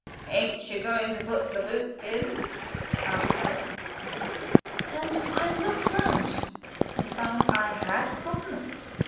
"Ain't you going to put the boots in?" said Harris. And I looked round, and found I had forgotten them.